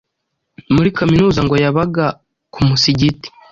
Muri kaminuza ngo yabaga ku musigiti